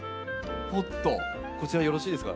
こちらよろしいですか？